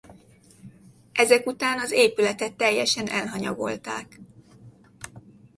Ezek után az épületet teljesen elhanyagolták.